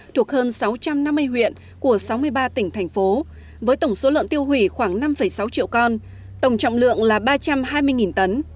thuộc hơn sáu trăm năm mươi huyện của sáu mươi ba tỉnh thành phố với tổng số lợn tiêu hủy khoảng năm sáu triệu con tổng trọng lượng là ba trăm hai mươi tấn